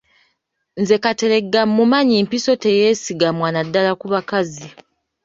Nze Kateregga mmumanyi mpiso teyeesigamwa naddala ku bakazi.